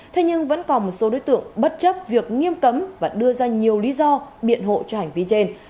thế nhưng vẫn còn một số đối tượng bất chấp việc nghiêm cấm và đưa ra nhiều lý do biện hộ cho hành vi trên